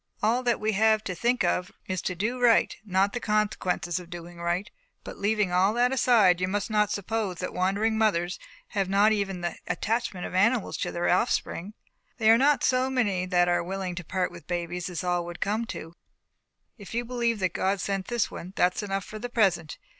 All that we have to think of is to do right not the consequences of doing right. But leaving all that aside, you must not suppose that wandering mothers have not even the attachment of animals to their offspring. There are not so many that are willing to part with babies as all that would come to. If you believe that God sent this one, that is enough for the present.